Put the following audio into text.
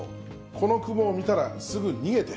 この雲を見たらすぐ逃げて。